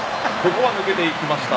ここは抜けていきました。